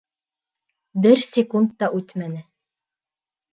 Бер секунд та үтмәне.